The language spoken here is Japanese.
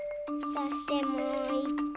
そしてもういっこ。